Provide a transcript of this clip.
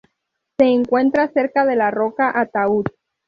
Se encuentra cerca de la roca Ataúd.